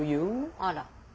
あら？